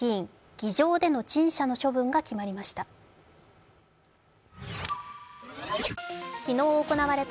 議場での陳謝の処分が決まりました。